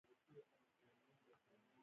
د دروازې مخې ته میز ایښی و.